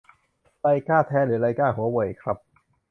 ไลก้าแท้หรือไลก้าหัวเว่ยครับ